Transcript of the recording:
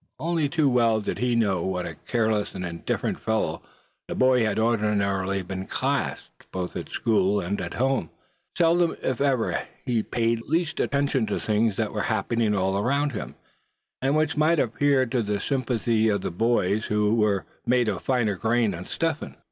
Only too well did he know what a careless and indifferent fellow the boy had ordinarily been classed, both at school and at home. Seldom, if ever, had he paid the least attention to things that were happening all around him, and which might appeal to the sympathies of boys who were made of finer grain than Step Hen.